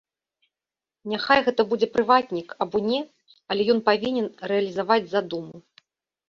Няхай гэта будзе прыватнік або не, але ён павінен рэалізаваць задуму.